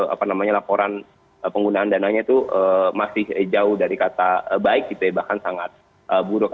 apa namanya laporan penggunaan dana itu masih jauh dari kata baik bahkan sangat buruk